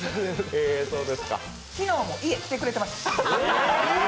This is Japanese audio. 昨日も家来てくれてました。